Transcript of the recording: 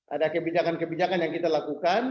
ada kebijakan kebijakan yang kita lakukan